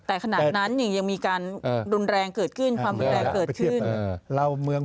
แต่ขณะนั้นเนี่ยยังมีการรุนแรงเกิดขึ้นความรุนแรงเกิดขึ้น